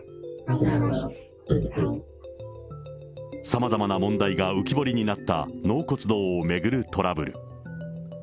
さまざまな問題が浮き彫りになった納骨堂を巡るトラブル。